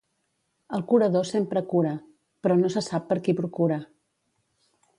El curador sempre cura, però no se sap per qui procura.